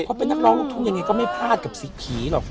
เพราะเป็นนักร้องลูกทุ่งยังไงก็ไม่พลาดกับสีผีหรอก